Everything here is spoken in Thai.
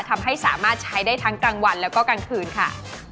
ทำให้สามารถใช้ได้ทั้งกลางวันแล้วก็กลางคืนค่ะ